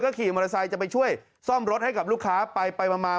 ขี่มอเตอร์ไซค์จะไปช่วยซ่อมรถให้กับลูกค้าไปมา